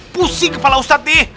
pusing kepala ustadz nih